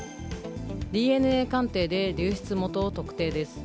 ＤＮＡ鑑定で流出元を特定です。